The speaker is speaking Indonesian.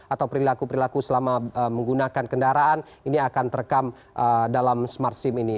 atau perilaku perilaku selama menggunakan kendaraan ini akan terekam dalam smart sim ini